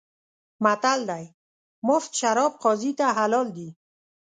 متل دی: مفت شراب قاضي ته حلال دي.